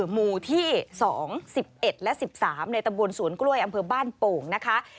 หมู่ที่๒๑๑และ๑๓ในตำบลสวนกล้วยอำเภอบ้านโป่งนะคะ